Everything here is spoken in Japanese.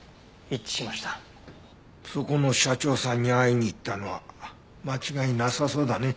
そこの社長さんに会いに行ったのは間違いなさそうだね。